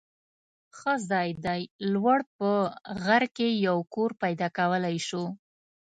ښه ځای دی. لوړ په غر کې یو کور پیدا کولای شو.